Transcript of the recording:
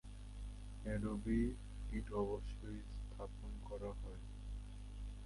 Adobe ইট অবশ্যই স্থাপন করা হয়।